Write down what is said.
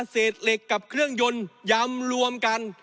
เศษเหล็กกับเครื่องยนต์ยำรวมกัน